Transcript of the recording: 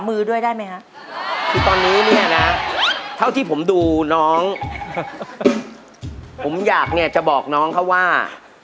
ผมอยากเนี่ยจะบอกน้องเขาว่า